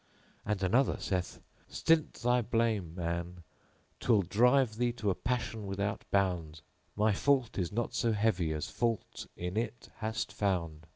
And another saith:— Stint thy blame, man! 'Twill drive to a passion without bound; * My fault is not so heavy as fault in it hast found.